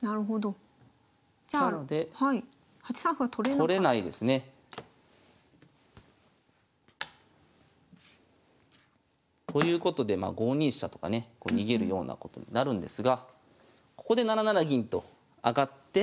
取れないですね。ということでまあ５二飛車とかね逃げるようなことになるんですがここで７七銀と上がって。